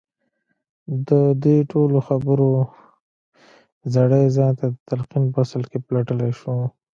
د دې ټولو خبرو زړی ځان ته د تلقين په اصل کې پلټلای شو.